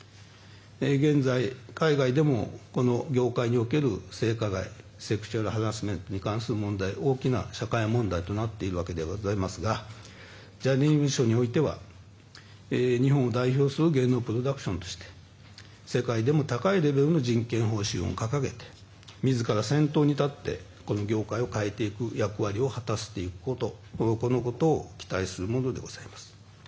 現在、海外でもこの業界における性加害セクシュアルハラスメントに関する問題は大きな社会問題となっているわけでございますがジャニーズ事務所においては日本を代表する芸能プロダクションとして世界でも高いレベルの人権方針を掲げて自ら先頭に立ってこの業界を変えていく役割を果たしていくことを期待するものでございます。